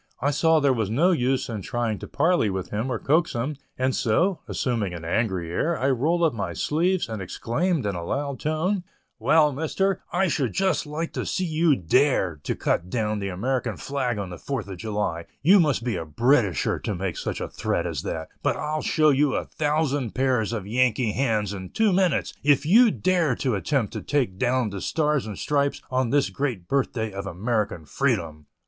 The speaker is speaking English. I saw there was no use in trying to parley with him or coax him, and so, assuming an angry air, I rolled up my sleeves, and exclaimed, in a loud tone, "Well, Mister, I should just like to see you dare to cut down the American flag on the Fourth of July; you must be a 'Britisher' to make such a threat as that; but I'll show you a thousand pairs of Yankee hands in two minutes, if you dare to attempt to take down the stars and stripes on this great birth day of American freedom!"